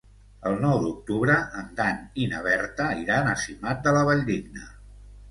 El nou d'octubre en Dan i na Berta iran a Simat de la Valldigna.